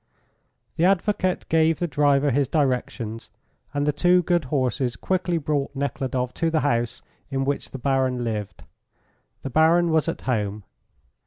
The advocate gave the driver his directions, and the two good horses quickly brought Nekhludoff to the house in which the Baron lived. The Baron was at home.